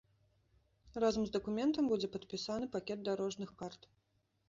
Разам з дакументам будзе падпісаны пакет дарожных карт.